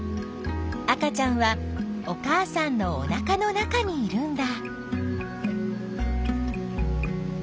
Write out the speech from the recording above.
赤ちゃんはお母さんのおなかの中にいるんだ。